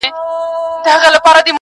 کښتۍ هم ورڅخه ولاړه پر خپل لوري-